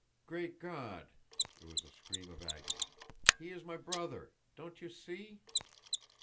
"Great God!" It was a scream of agony. "He is my brother! Don't you see?"